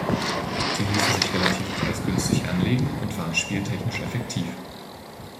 Sie ließen sich relativ preisgünstig anlegen und waren spieltechnisch effektiv.